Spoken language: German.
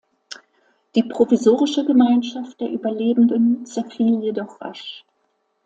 Die provisorische Gemeinschaft der Überlebenden zerfiel jedoch rasch.